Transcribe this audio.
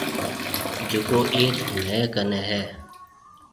جڪو ايٿ مهيَ ڪنيَ هيَ۔